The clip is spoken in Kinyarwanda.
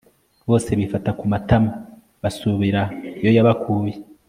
bose bifata ku matama, basubira iyo yabakuye